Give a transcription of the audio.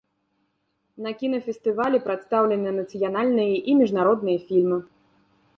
На кінафестывалі прадстаўлены нацыянальныя і міжнародныя фільмы.